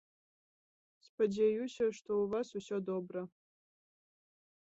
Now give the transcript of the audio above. Спадзяюся, што ў вас усё добра.